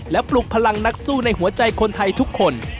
และปลุกพลังนักสู้ในหัวใจคนไทยทุกคน